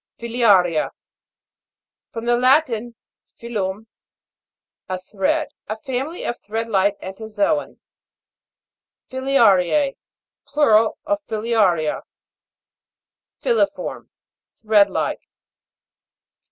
FILIA'RIA. From the Latin, filum, a thread. A family of thread like entozoa. FILIA'RIA:. Plural of Filia'ria. FI'I.IFORM. Thread like.